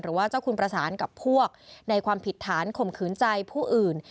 ว่าเจ้าคุณประสานกับพวกในความผิดฐานข่มขืนใจผู้อื่น